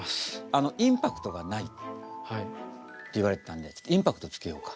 あのインパクトがないって言われてたんでインパクトつけようか。